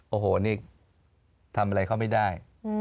โอ้โหนี่ทำอะไรเขาไม่ได้